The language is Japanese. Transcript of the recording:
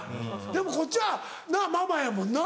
でもこっちはな「ママ」やもんな。